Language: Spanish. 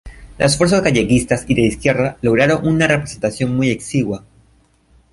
Las fuerzas galleguistas y de izquierda lograron una representación muy exigua.